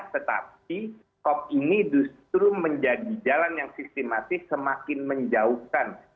tetapi top ini justru menjadi jalan yang sistematis semakin menjauhkan